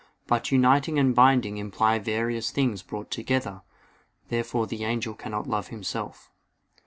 But uniting and binding imply various things brought together. Therefore the angel cannot love himself.